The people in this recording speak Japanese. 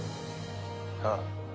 ああ。